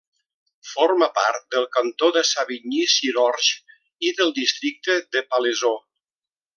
Forma part del cantó de Savigny-sur-Orge i del districte de Palaiseau.